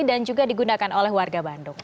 dan juga digunakan oleh warga bandung